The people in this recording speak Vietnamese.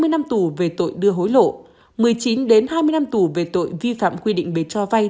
hai mươi năm tù về tội đưa hối lộ một mươi chín hai mươi năm tù về tội vi phạm quy định về cho vay